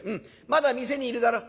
まだ店にいるだろ。